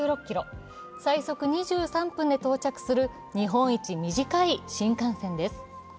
最速２３分で到着する日本一短い新幹線です。